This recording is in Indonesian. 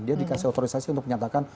dia dikasih otorisasi untuk menyatakan